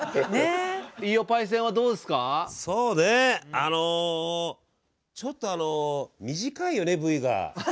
あのちょっとあの短いよねＶが。